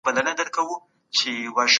مستې، ډوډۍ، سلاد ساس او سموتي یې مثالونه دي.